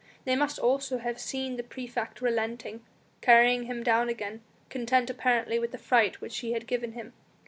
They must also have seen the praefect relenting, carrying him down again, content apparently with the fright which he had given him.